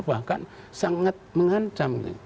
bahkan sangat mengancam